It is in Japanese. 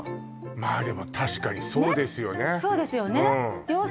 まあでも確かにそうですよねねっ？